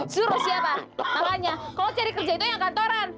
suruh siapa makanya kalau cari kerja itu yang kantoran